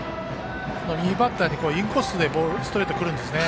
右バッターにインコースにストレートが来るんですね。